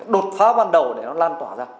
đột phá ban đầu để nó lan tỏa ra